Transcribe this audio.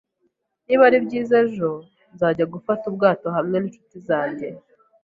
Niba ari byiza ejo, nzajya gufata ubwato hamwe ninshuti zanjye.